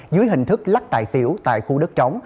dưới hình thức lắc tài xỉu tại khu đất trống